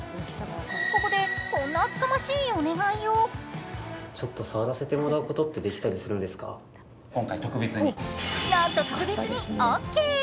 ここで、こんな厚かましいお願いをなんと特別にオッケー。